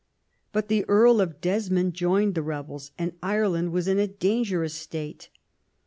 But the Earl of Desmond joined the rebels, and Ireland was in a dangerous state.